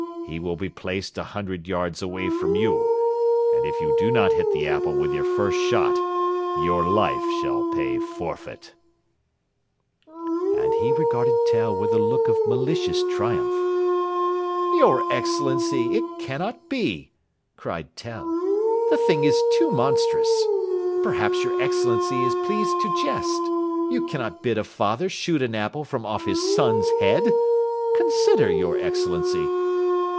He will be placed a hundred yards away from you, and if you do not hit the apple with your first shot your life shall pay forfeit." [Illustration: PLATE X] And he regarded Tell with a look of malicious triumph. "Your Excellency, it cannot be!" cried Tell; "the thing is too monstrous. Perhaps your Excellency is pleased to jest. You cannot bid a father shoot an apple from off his son's head! Consider, your Excellency!"